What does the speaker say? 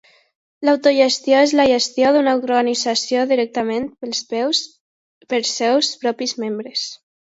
L'autogestió és la gestió d'una organització directament pels seus propis membres.